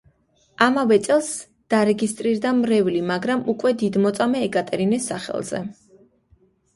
ამავე წელს დარეგისტრირდა მრევლი, მაგრამ უკვე დიდმოწამე ეკატერინეს სახელზე.